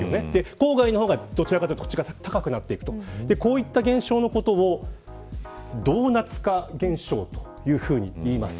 郊外の方がどちらかというと土地が高くなっていくこういった現象のことをドーナツ化現象といいます。